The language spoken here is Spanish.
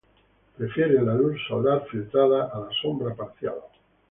Prefiere la luz solar filtrada a la sombra parcial.